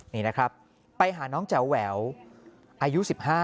นี่นะครับไปหาน้องแจ๋วแหววอายุ๑๕